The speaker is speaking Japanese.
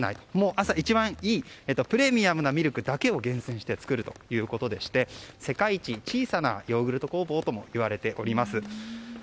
朝一番いいプレミアムなミルクだけを厳選して作るということでして世界一小さなヨーグルト工房ともいわれております。